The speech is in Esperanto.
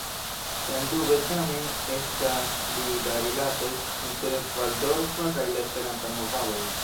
Sendube tamen estas pli da rilatoj inter la valdorfa kaj la esperanta movadoj.